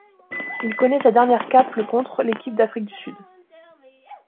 Il connaît sa dernière cape le contre l'équipe d'Afrique du Sud.